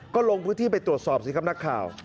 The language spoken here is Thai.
ก็ลงพื้นที่ไปตรวจสอบสิครับนักข่าว